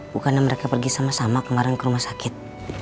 bukannya mereka pergi sama sama kemarin ke rumah sakit